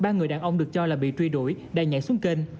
ba người đàn ông được cho là bị truy đuổi đang nhảy xuống kênh